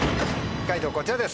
解答こちらです。